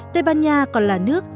tây ban nha còn là nước